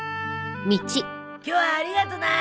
今日はありがとな。